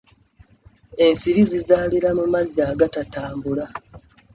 Ensiri zizaalira mu mazzi agatatambula.